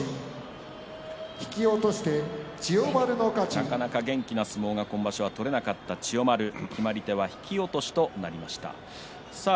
なかなか元気な相撲が今場所は取れなかった千代丸決まり手は引き落としとなりました。